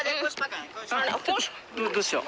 どうしよう？